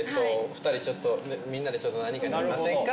２人ちょっとみんなでちょっと何か飲みませんか？